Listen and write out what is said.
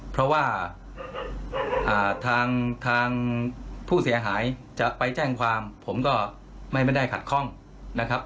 เพราะว่าทางผู้เสียหายจะไปแจ้งความผมก็ไม่ได้ขัดข้องนะครับ